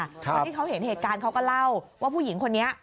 คนที่เขาเห็นเหตุการณ์เขาก็เล่าว่าผู้หญิงคนนี้